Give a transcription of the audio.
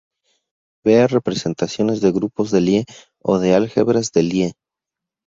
Vea Representaciones de grupos de Lie o de álgebras de Lie.